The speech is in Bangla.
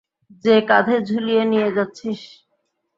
যে কাঁধে ঝুলিয়ে নিয়ে যাচ্ছিস?